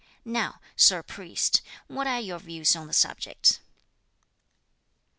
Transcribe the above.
Now, Sir Priest, what are your views on the subject?"